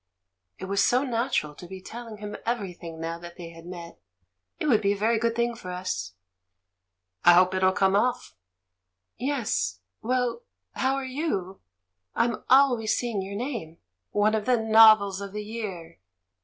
It was so natural to be telling him everything now they had met. "It would be a very good thing for us." "I hope it'll come off." "Yes. ... Well, how are you? I'm always seeing your name — 'one of the novels of the year'